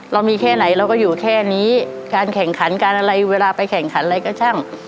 เรามีแค่ไหนเราก็อยู่แค่นี้การแข่งขันการอะไรเวลาไปแข่งขันอะไรก็ช่าง